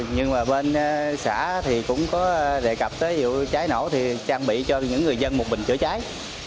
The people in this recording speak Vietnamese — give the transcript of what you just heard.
nhưng mà bên xã thì cũng có đề cập tới vụ cháy nổ thì trang bị cho những người dân một bình chữa cháy